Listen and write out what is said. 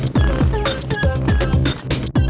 wah keren banget